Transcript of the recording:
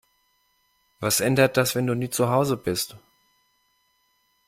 Was ändert das, wenn du nie zu Hause bist?